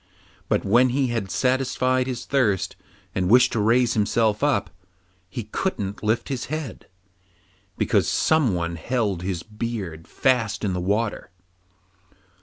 But when he had satisfied his thirst, and wished to raise himself up, he couldn't lift his head, because someone held his beard fast in the water.